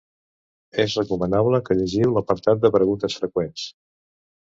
És recomanable que llegiu l'apartat de preguntes freqüents.